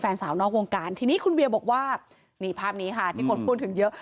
สาวนอกวงการทีนี้คุณเวียบอกว่านี่ภาพนี้ค่ะที่คนพูดถึงเยอะ